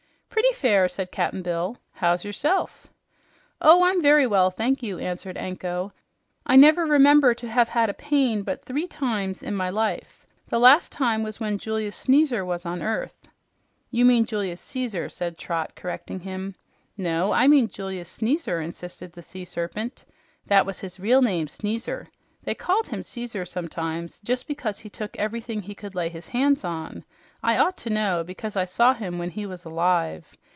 "Pretty fair," said Cap'n Bill. "How's yourself?" "Oh, I'm very well, thank you," answered Anko. "I never remember to have had a pain but three times in my life. The last time was when Julius Sneezer was on earth." "You mean Julius Caesar," said Trot, correcting him. "No, I mean Julius Sneezer," insisted the Sea Serpent. "That was his real name Sneezer. They called him Caesar sometimes just because he took everything he could lay hands on. I ought to know, because I saw him when he was alive.